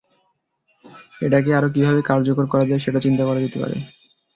এটাকে আরও কীভাবে কার্যকর করা যায়, সেটা চিন্তা করা যেতে পারে।